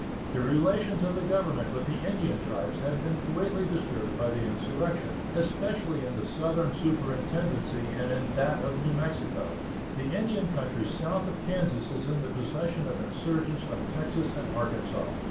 The relations of the Government with the Indian tribes have been greatly disturbed by the insurrection, especially in the southern superintendency and in that of New Mexico. The Indian country south of Kansas is in the possession of insurgents from Texas and Arkansas.